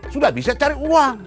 sudah bisa cari uang